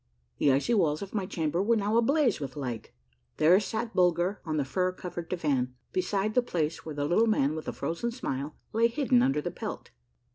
The icy walls of my chamber were now ablaze with light. There sat Bulger on the fur covered divan, beside the place where the Little Man with the Frozen Smile lay hidden under the pelt.